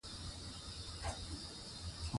خو په دويم پړاو کې دقيق شو